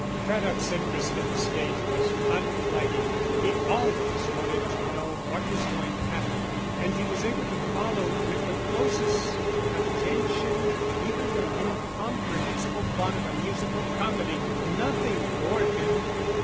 Craddock's interest in the stage was unflagging; he always wanted to know what was going to happen, and he was able to follow with the closest attention even the incomprehensible plot of a musical comedy. Nothing bored him.